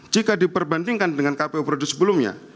jika diperbandingkan dengan kpu periode sebelumnya